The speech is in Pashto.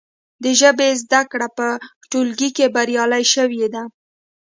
د ژبې زده کړې په ټولګیو کې بریالۍ شوي دي.